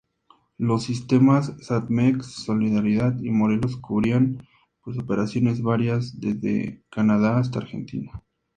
Los sistemas Satmex, Solidaridad y Morelos cubrían pues operaciones varias desde Canadá hasta Argentina.